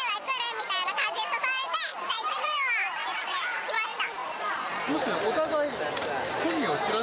みたいな感じで誘われて、じゃあ行ってみるわって行ってきました。